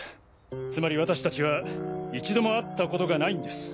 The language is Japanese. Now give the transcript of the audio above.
つまり私たちは一度も会ったことがないんです